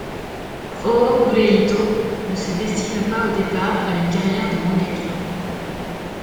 Ōgure Ito ne se destine pas au départ à une carrière de mangaka.